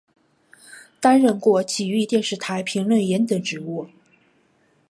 担任过崎玉电视台评论员等职务。